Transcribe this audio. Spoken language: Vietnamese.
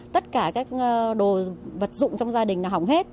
tất cả các đồ vật dụng trong gia đình nào hỏng hết